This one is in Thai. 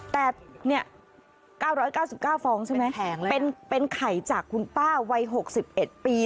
แต่เนี่ย๙๙๙ฟองใช่ไหมเป็นไข่จากคุณป้าวัย๖๑ปี